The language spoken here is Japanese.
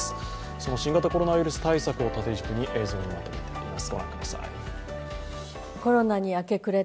その新型コロナウイルス対策を縦軸に映像にまとめています。